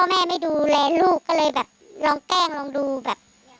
แม่ไม่ดูแลลูกก็เลยแบบลองแกล้งลองดูแบบ